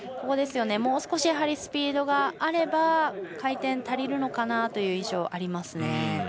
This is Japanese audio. もう少し、スピードがあれば回転足りるのかなという印象がありますね。